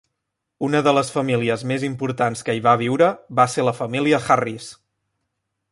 Una de les famílies més importants que hi va viure va ser la família Harris.